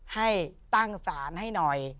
ให้ตั้งศาลให้หน่อย